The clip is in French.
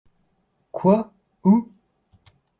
Quoi ? Où ?